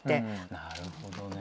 なるほどね。